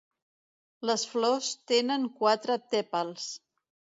Les flors tenen quatre tèpals.